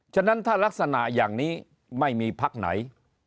ฉะนั้นถ้ารักษณะอย่างนี้ไม่มีพักไหน